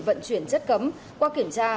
vận chuyển chất cấm qua kiểm tra